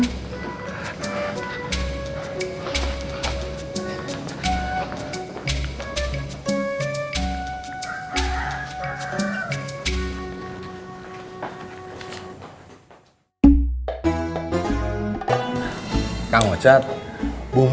bin bilir langsung aja dong